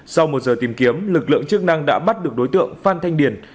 sau một giờ tìm kiếm lực lượng chức năng đã bắt được đối tượng phan thanh điền